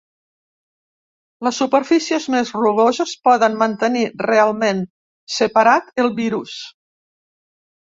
Les superfícies més rugoses poden mantenir realment separat el virus.